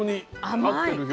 甘い。